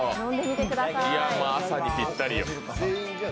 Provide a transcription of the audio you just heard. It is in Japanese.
朝にぴったりよ。